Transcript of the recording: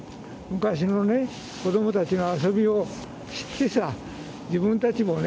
昔のね、子どもたちの遊びを知ってさ、自分たちもね